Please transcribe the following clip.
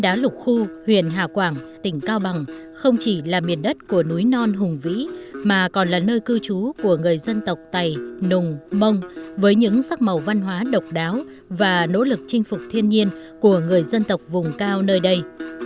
đá lục khu huyện hà quảng tỉnh cao bằng không chỉ là miền đất của núi non hùng vĩ mà còn là nơi cư trú của người dân tộc tày nùng mông với những sắc màu văn hóa độc đáo và nỗ lực chinh phục thiên nhiên của người dân tộc vùng cao nơi đây